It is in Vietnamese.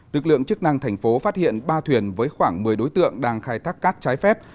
lực lượng chức năng thành phố phát hiện ba thuyền với khoảng một mươi đối tượng đang khai thác cát trái phép